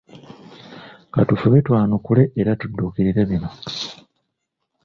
Ka tufube twanukule era tudduukirire bino